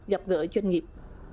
gặp gỡ doanh nghiệp